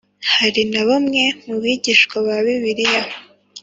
Hari na bamwe mu Bigishwa ba Bibiliya